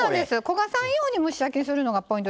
焦がさんように蒸し焼きにするのがポイントです。